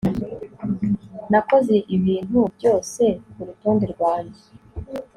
Nakoze ibintu byose kurutonde rwanjye